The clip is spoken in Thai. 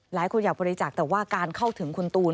หลายคนอยากบริจาคแต่ว่าการเข้าถึงคุณตูน